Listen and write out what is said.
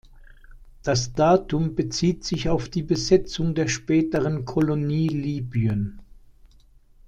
Das Datum bezieht sich auf die Besetzung der späteren Kolonie Libyen.